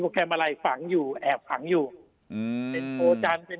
โปรแกรมอะไรฝังอยู่แอบฝังอยู่อืมเป็นโปรจันเป็น